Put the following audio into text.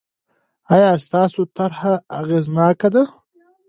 آیا ستاسو طرحه اغېزناکه ده؟